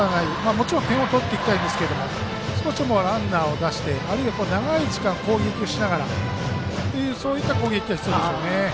もちろん点を取っていきたいですが少しでもランナーを出して長い時間、攻撃をしながらというそういった攻撃が必要でしょうね。